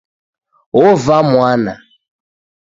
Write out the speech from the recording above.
Ovaa mwana